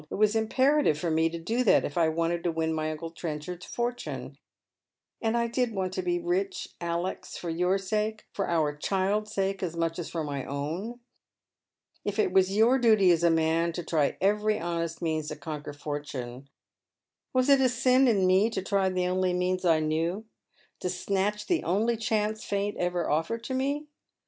It was imperative for me to do tliat if I wanted to win my uncle Trenchard's for tune — and I did want to be rich, Alex, for your sake, for our child's sake, as much as for my own. if it was your duty as a inan to try every honest means to conquer foilune, was it a sin in me to try tlie only means I knew, to snatch the only chance Fate ever offered to me